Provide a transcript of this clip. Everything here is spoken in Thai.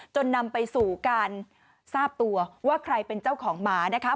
นำไปสู่การทราบตัวว่าใครเป็นเจ้าของหมานะคะ